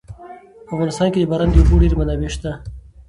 په افغانستان کې د باران د اوبو ډېرې منابع شته.